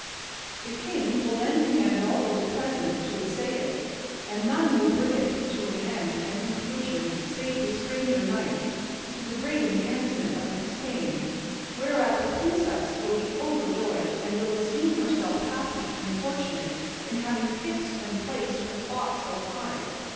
"The king will then command all those present to essay it, and none will bring it to an end and conclusion save the stranger knight, to the great enhancement of his fame, whereat the princess will be overjoyed and will esteem herself happy and fortunate in having fixed and placed her thoughts so high.